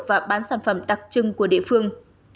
và bán sản phẩm đặc trưng của địa phương